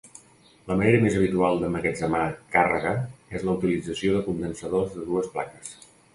La manera més habitual d'emmagatzemar càrrega és la utilització de condensadors de dues plaques.